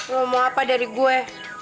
lo mau apa dari gue